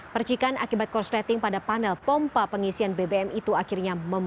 percikan akibat korsleting pada panel pompa pengisian bbm itu akhirnya